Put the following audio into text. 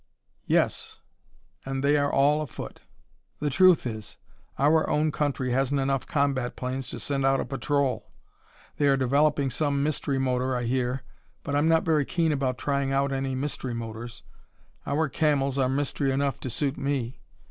"Yes, and they are all afoot. The truth is, our own country hasn't enough combat planes to send out a patrol. They are developing some mystery motor, I hear, but I'm not very keen about trying out any mystery motors. Our Camels are mystery enough to suit me.